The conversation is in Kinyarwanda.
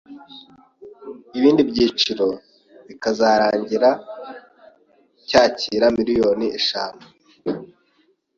ibindi byiciro bikazarangira cyakira miliyoni eshanu